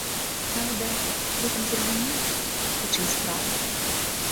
Праўда, потым зразумеў, у чым справа.